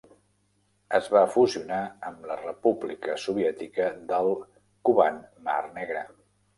Es va fusionar amb la República Soviètica del Kuban-Mar Negra.